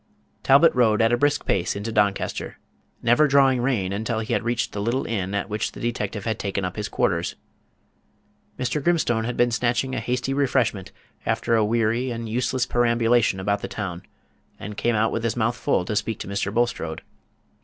Talbot rode at a brisk pace into Doncaster, never drawing rein until he reached the little inn at which the detective had taken up his quarters. Mr. Grimstone had been snatching Page 194 a hasty refreshment, after a weary and useless perambulation about the town, and came out with his mouth full to speak to Mr. Bulstrode.